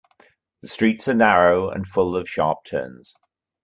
The streets are narrow and full of sharp turns.